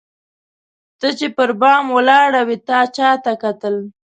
ته چي پر بام ولاړه وې تا چاته کتل؟